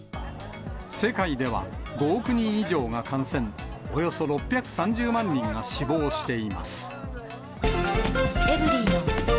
世界では５億人以上が感染、およそ６３０万人が死亡しています。